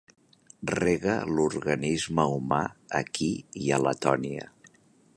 Rega l'organisme humà aquí i a Letònia.